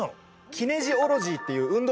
キネシオロジーっていう運動